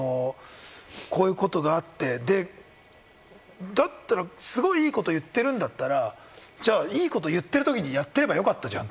こういうことがあって、だったらすごい良いこと言ってるんだったら、いいこと言ってるときにやってればよかったじゃん！